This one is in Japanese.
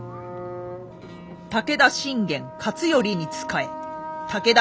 武田信玄勝頼に仕え武田